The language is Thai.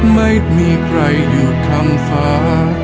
ไม่มีใครอยู่ทำฟ้า